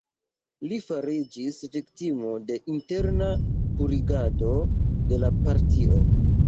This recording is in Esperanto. Li fariĝis viktimo de interna 'purigado' de la partio.